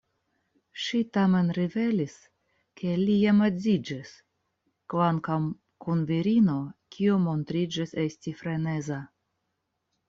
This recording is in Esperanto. Ŝi tamen rivelis ke li jam edziĝis, kvankam kun virino kiu montriĝis esti freneza.